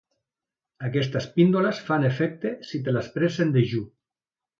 Aquestes píndoles fan efecte si te les prens en dejú.